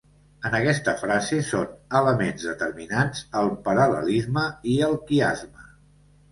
En aquesta frase són elements determinants el paral·lelisme i el quiasme.